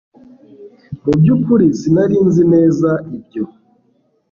mu byukuri sinari nzi neza ibyo